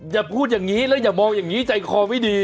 อย่าพูดอย่างนี้แล้วอย่ามองอย่างนี้ใจคอไม่ดี